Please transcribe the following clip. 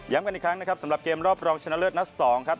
กันอีกครั้งนะครับสำหรับเกมรอบรองชนะเลิศนัด๒ครับ